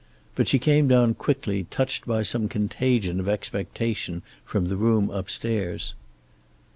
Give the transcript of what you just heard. But she came down quickly, touched by some contagion of expectation from the room upstairs.